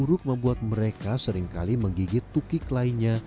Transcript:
tukik yang buruk membuat mereka seringkali menggigit tukik lainnya